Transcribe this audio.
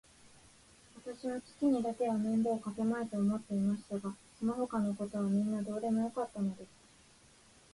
わたしは父にだけは面倒をかけまいと思っていましたが、そのほかのことはみんなどうでもよかったのです。